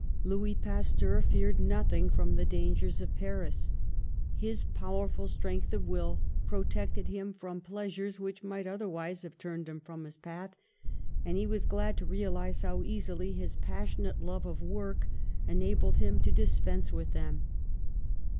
Louis Pasteur feared nothing from the dangers of Paris. His powerful strength of will protected him from pleasures which might otherwise have turned him from his path, and he was glad to realise how easily his passionate love of work enabled him to dispense with them.